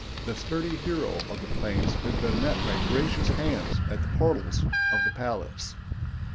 The sturdy hero of the plains has been met by gracious hands at the portals of the palace.